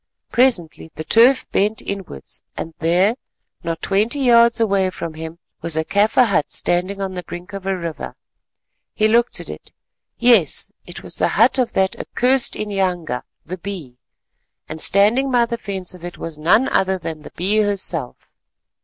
Presently the turf bent inwards and there, not twenty yards away from him, was a Kaffir hut standing on the brink of a river. He looked at it, yes, it was the hut of that accursed inyanga, the Bee, and standing by the fence of it was none other than the Bee herself.